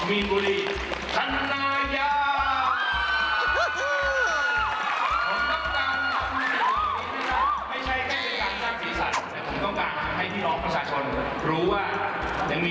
อีกต้องคิดว่ากากมาเข้าไป